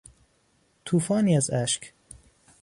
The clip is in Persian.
توفانی از اشک